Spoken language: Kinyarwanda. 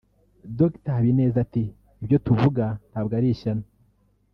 Dr Habineza ati “Ibyo tuvuga ntabwo ari ishyano